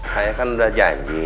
saya kan udah janji